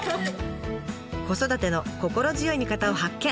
子育ての心強い味方を発見。